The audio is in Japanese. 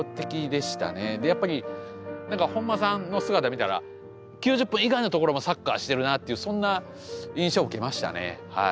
やっぱり何か本間さんの姿見たら９０分以外のところもサッカーしてるなっていうそんな印象を受けましたねはい。